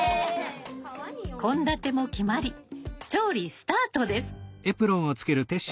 献立も決まり調理スタートです。